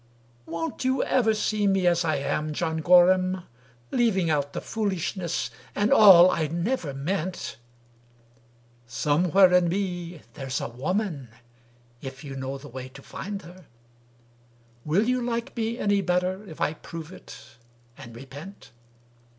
"— "Won't you ever see me as I am, John Gorham, Leaving out the foolishness and all I never meant? Somewhere in me there's a woman, if you know the way to find her. Will you like me any better if I prove it and repent?"